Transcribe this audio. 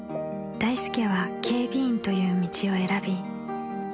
［大助は警備員という道を選び］